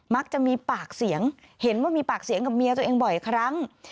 มักจะมีปากเสียงเห็นว่ามีปากเสียงกับเมียตัวเองบ่อยครั้ง